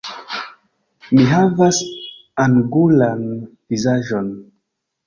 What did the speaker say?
Mi havas angulan vizaĝon.